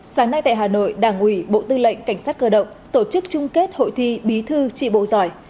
sáng nay tại hà nội đảng ủy bộ tư lệnh cảnh sát cơ động tổ chức trung kết hội thi bí thư trị bộ giỏi